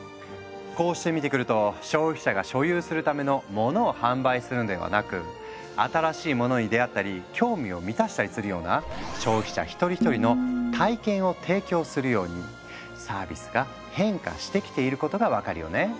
こうして見てくると消費者が所有するための「モノ」を販売するんではなく新しいものに出会ったり興味を満たしたりするような消費者一人一人の「体験」を提供するようにサービスが変化してきていることが分かるよね。